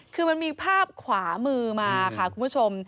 คือมันมีภาพขวามือมาค่ะคุณผู้ชม